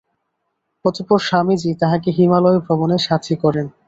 অতঃপর স্বামীজী তাঁহাকে হিমালয় ভ্রমণে সাথী করেন।